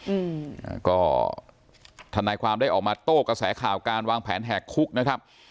อืมอ่าก็ทนายความได้ออกมาโต้กระแสข่าวการวางแผนแหกคุกนะครับ